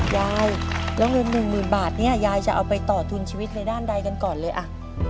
ยายแล้วเงินหนึ่งหมื่นบาทเนี่ยยายจะเอาไปต่อทุนชีวิตในด้านใดกันก่อนเลยอ่ะ